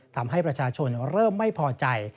ทำให้ประชาชนเริ่มไม่พอใจ